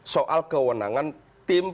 soal kewenangan tim